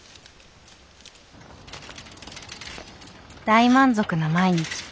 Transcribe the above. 大満足な毎日。